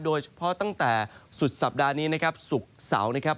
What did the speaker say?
ตั้งแต่สุดสัปดาห์นี้นะครับศุกร์เสาร์นะครับ